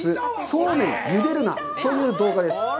「そうめんゆでるな！」という動画です。